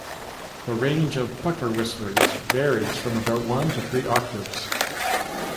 The range of pucker whistlers varies from about one to three octaves.